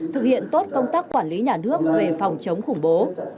thực hiện tốt công tác quản lý nhà nước về phòng chống khủng bố